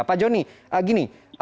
pak joni gini